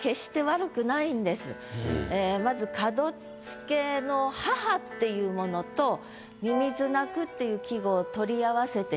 まず「門付けの母」っていうものと「蚯蚓鳴く」っていう季語を取り合わせていると。